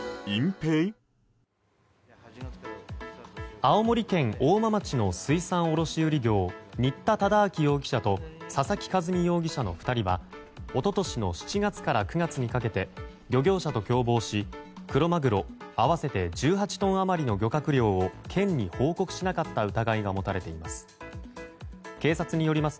青森県大間町の水産卸売業新田忠明容疑者と佐々木一美容疑者の２人は一昨年の７月から９月にかけて漁業者と共謀しクロマグロ合わせて１８トン余りの漁獲量を県に報告しなかった疑いが持たれています。